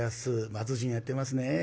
松潤やってますね。